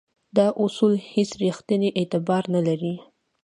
دا اصول هیڅ ریښتینی اعتبار نه لري.